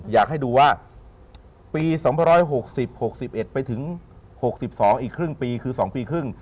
อยากให้ดูว่าปี๒๖๐๖๑ไปถึง๖๒อีกครึ่งปีคือ๒ปีครึ่ง